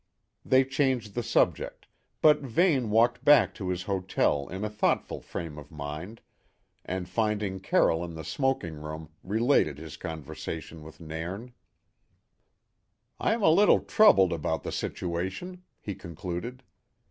They changed the subject, but Vane walked back to his hotel in a thoughtful frame of mind, and finding Carroll in the smoking room related his conversation with Nairn. "I'm a little troubled about the situation," he concluded.